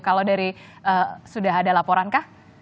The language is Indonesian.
kalau dari sudah ada laporan kah